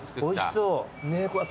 おいしそう。